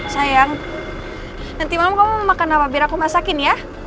sayang nanti malam kamu makan apa biar aku masakin ya